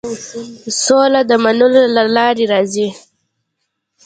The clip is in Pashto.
سوله د منلو له لارې راځي.